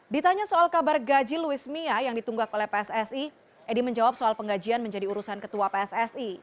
ditanya soal kabar gaji luis mia yang ditunggak oleh pssi edi menjawab soal penggajian menjadi urusan ketua pssi